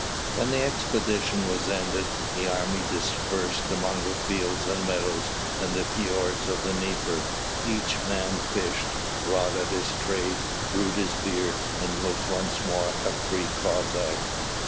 When the expedition was ended, the army dispersed among the fields and meadows and the fords of the Dnieper; each man fished, wrought at his trade, brewed his beer, and was once more a free Cossack.